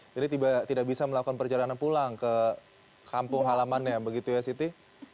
jadi tidak bisa melakukan perjalanan pulang ke kampung halaman ya begitu ya siti